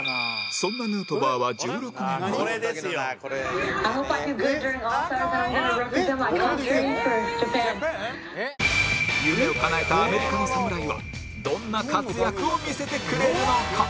そんなヌートバーは夢をかなえたアメリカの侍はどんな活躍を見せてくれるのか？